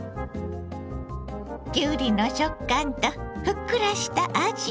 きゅうりの食感とふっくらしたあじ。